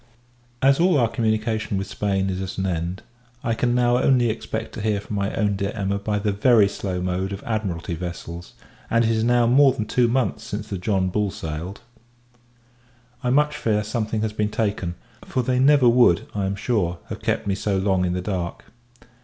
As all our communication with Spain is at an end, I can now only expect to hear from my own dear Emma by the very slow mode of Admiralty vessels, and it is now more than two months since the John Bull sailed. I much fear, something has been taken; for they never would, I am sure, have kept me so long in the dark.